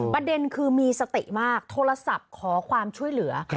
ประเด็นคือมีสติมากโทรศัพท์ขอความช่วยเหลือ